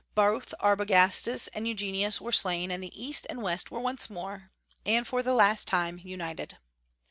Both Arbogastes and Eugenius were slain, and the East and West were once more and for the last time united.